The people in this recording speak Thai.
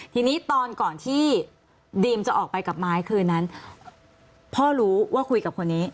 ทีนี้ตอนก่อนที่ดีมจะออกไปกับไม้คืนนั้นพ่อรู้ว่าคุยกับคนนี้